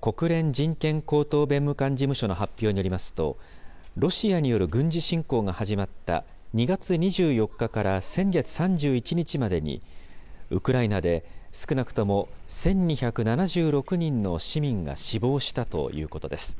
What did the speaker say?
国連人権高等弁務官事務所の発表によりますと、ロシアによる軍事侵攻が始まった２月２４日から先月３１日までに、ウクライナで少なくとも１２７６人の市民が死亡したということです。